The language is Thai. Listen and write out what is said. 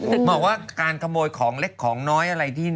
บอกว่าการขโมยของเล็กของน้อยอะไรที่